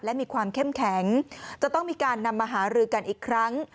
และมีความเข้มแข็งจะต้องมีการนำมาหารือกันอีกครั้ง